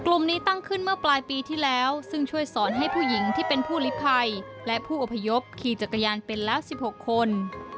กลุ่มนี้ตั้งขึ้นเมื่อปลายปีที่แล้วซึ่งช่วยสอนให้ผู้หญิงที่เป็นผู้ลิภัยและผู้อพยพขี่จักรยานเป็นแล้ว๑๖คน